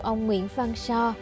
ông nguyễn phan so